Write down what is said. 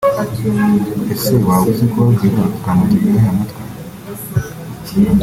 Ese waba uzi kubabwira utugambo turyoheye amatwi